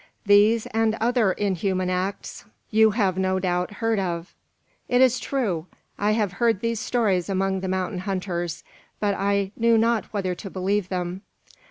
These, and other inhuman acts, you have no doubt heard of?" "It is true. I have heard these stories among the mountain hunters; but I knew not whether to believe them."